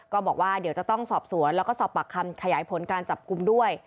บอกว่าเดี๋ยวจะต้องสอบสวนแล้วก็สอบปากคำขยายผลการจับกลุ่มด้วย